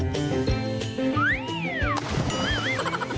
เฮ่เฮ่เฮ่